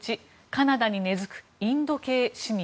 カナダに根付くインド系市民。